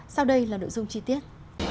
sau đây là nội dung chi tiết